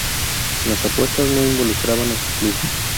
Las apuestas no involucraban a su club.